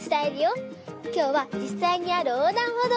きょうはじっさいにあるおうだんほどうにきました！